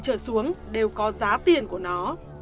các người xuống đều có giá tiền của nó